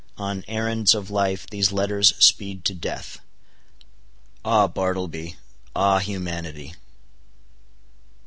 On errands of life, these letters speed to death. Ah Bartleby! Ah humanity!